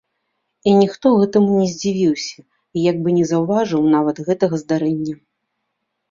І ніхто гэтаму не здзівіўся і як бы не заўважыў нават гэтага здарэння.